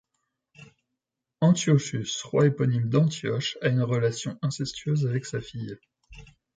Antiochus, roi éponyme d'Antioche, a une relation incestueuse avec sa fille.